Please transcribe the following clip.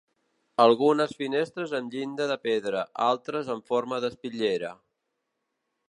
Algunes finestres amb llinda de pedra, altres amb forma d'espitllera.